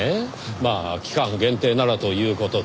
まあ期間限定ならという事で。